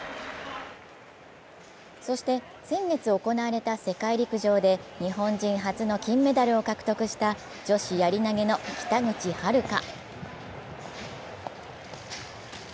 そして先月行われた世界陸上で日本人初の金メダルを獲得した女子やり投げの北口榛花。